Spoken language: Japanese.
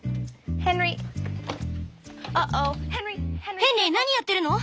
ヘンリー何やってるの？